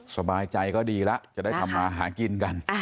สบายใจก็ดีแล้วจะได้ทำมาหากินกัน